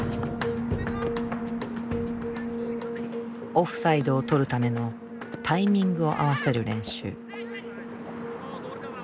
オフサイドをとるためのタイミングを合わせる練習。